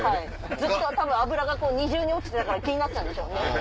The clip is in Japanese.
ずっとたぶん脂が２重に落ちてたから気になってたんでしょうね。